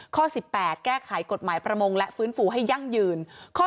ข้อ๑๘แก้ไขกฎหมายประมงและฟื้นฟูให้ยั่งยืน